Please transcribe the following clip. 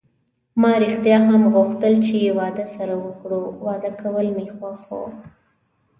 ما ریښتیا هم غوښتل چې واده سره وکړو، واده کول مې خوښ و.